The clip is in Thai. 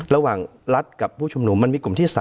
รัฐกับผู้ชุมนุมมันมีกลุ่มที่๓